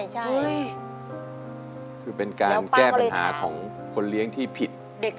ใช่คือเป็นการแก้ปัญหาของคนเลี้ยงที่ผิด